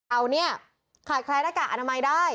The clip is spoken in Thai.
เอาเนี่ยขาดแคลนหน้ากากอนามัยได้